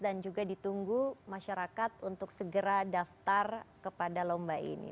dan juga ditunggu masyarakat untuk segera daftar kepada lomba ini